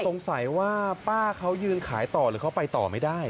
สงสัยว่าป้าเขายืนขายต่อหรือเขาไปต่อไม่ได้